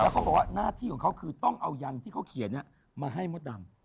แล้วก็บอกว่าหน้าที่ของเขาคือต้องเอายันที่เขาเขียนมาให้มดดำ